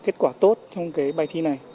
kết quả tốt trong cái bài thi này